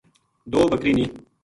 دو بکری نیہہ